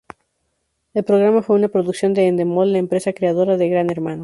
El programa fue una producción de Endemol, la empresa creadora de Gran Hermano.